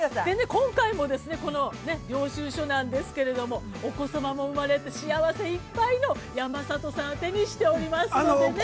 ◆今回も、領収証なんですけれども、お子様も生まれて、幸せいっぱいの山里さん宛てにしておりますのでね。